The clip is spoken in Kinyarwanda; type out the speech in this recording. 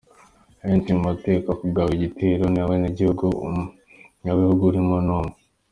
Benshi mu bakekwaho kugaba igitero ni abenegihugu, umunyamahanga urimo ni umwe.